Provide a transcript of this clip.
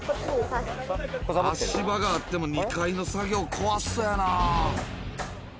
足場があっても２階の作業、怖そうやな。